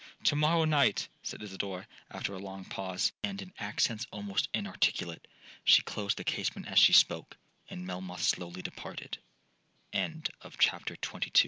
'To morrow night,' said Isidora, after a long pause, and in accents almost inarticulate. She closed the casement as she spoke, and Melmoth slowly departed.' END OF THIRD VOLUME VOLUM